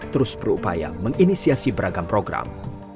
terus berupaya menginisiasi beragam program